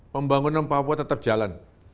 pembangunan papua tetap jalan